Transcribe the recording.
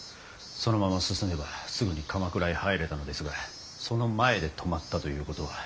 そのまま進めばすぐに鎌倉へ入れたのですがその前で止まったということは。